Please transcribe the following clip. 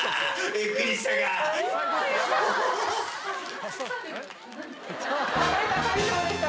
びっくりした！